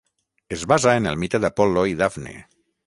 Es basa en el mite d'Apol·lo i Dafne.